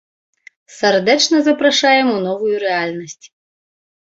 Сардэчна запрашаем у новую рэальнасць.